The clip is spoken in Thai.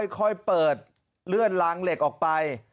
ค่อยเปิดเลื่อนลางเหล็กออกไป